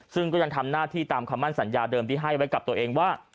ซึ่งก็ยังทำหน้าที่ตามคำมั่นสัญญาเดิมที่ให้ไว้กับตัวเองว่า